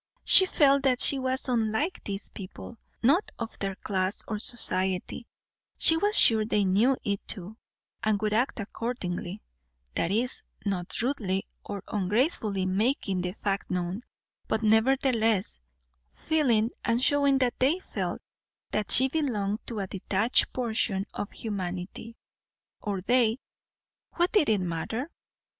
She felt that she was unlike these people; not of their class or society; she was sure they knew it too, and would act accordingly; that is, not rudely or ungracefully making the fact known, but nevertheless feeling, and showing that they felt, that she belonged to a detached portion of humanity. Or they; what did it matter?